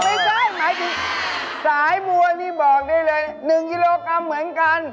ไม่ใช่หมายถึงสายบัวนี่บอกได้เลย๑กิโลกรัมเหมือนกัน